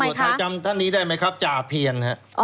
ตำรวจไทยจำท่านนี้ได้ไหมครับจ่าเพียร